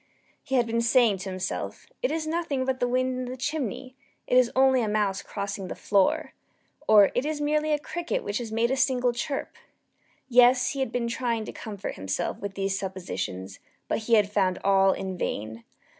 He had been saying to himself "It is nothing but the wind in the chimney it is only a mouse crossing the floor," or "It is merely a cricket which has made a single chirp." Yes, he had been trying to comfort himself with these suppositions: but he had found all in vain.